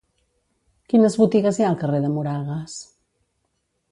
Quines botigues hi ha al carrer de Moragas?